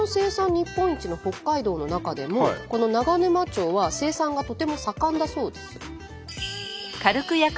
日本一の北海道の中でもこの長沼町は生産がとても盛んだそうです。